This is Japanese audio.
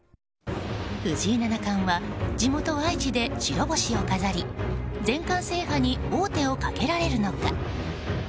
藤井七冠は地元・愛知で白星を飾り全冠制覇に王手をかけられるのか。